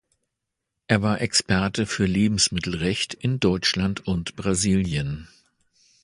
Er war Experte für Lebensmittelrecht in Deutschland und Brasilien.